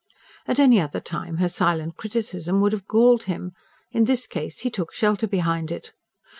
At any other time her silent criticism would have galled him; in this case, he took shelter behind it.